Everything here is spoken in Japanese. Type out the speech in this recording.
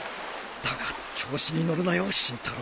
だが調子に乗るなよ真太郎